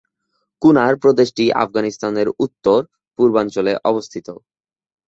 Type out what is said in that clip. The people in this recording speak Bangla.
কুনার প্রদেশটি আফগানিস্তানের উত্তর-পূর্বাঞ্চলে অবস্থিত।